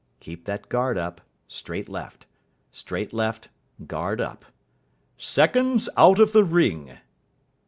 Keep that guard up straight left. Straight left guard up. "Seconds out of the ring."